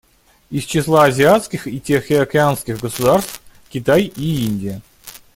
Из числа азиатских и тихоокеанских государств — Китай и Индия.